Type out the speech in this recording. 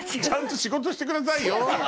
ちゃんと仕事してくださいよ。